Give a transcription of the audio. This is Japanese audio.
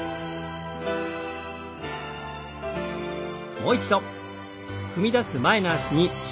もう一度。